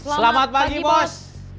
selamat pagi bos